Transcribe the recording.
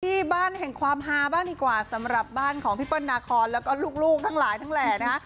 ที่บ้านแห่งความฮาบ้างดีกว่าสำหรับบ้านของพี่เปิ้ลนาคอนแล้วก็ลูกทั้งหลายทั้งแหล่นะฮะ